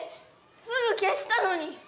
すぐ消したのに！